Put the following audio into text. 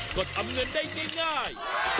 ก็ทำเงินได้ง่าย